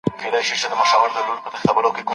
نیلی مړ سو دښمن